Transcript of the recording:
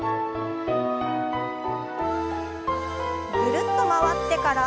ぐるっと回ってから。